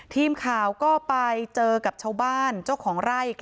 ทีมข่าวก็ไปเจอกับชาวบ้านเจ้าของไร่